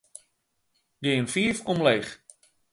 Gean fiif omleech.